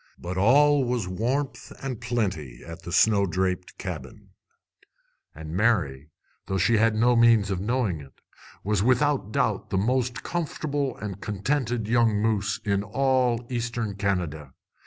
But all was warmth and plenty at the snow draped cabin; and Mary, though she had no means of knowing it, was without doubt the most comfortable and contented young moose in all Eastern Canada.